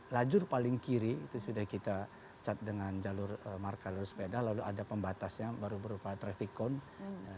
lajur paling kiri itu sudah kita cat dengan jalur marka jalur sepeda lalu ada pembatasnya baru berupa traffic cone